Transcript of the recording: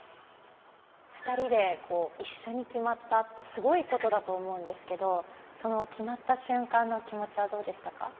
２人で一緒に決まったって、すごいことだと思うんですけど、その決まった瞬間の気持ちはどうでしたか？